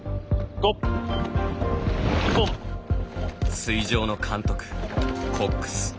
水上の監督、コックス。